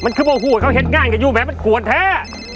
มันคือบ่หูว่าเขาเห็นงานกันอยู่แม้มันกวนแท้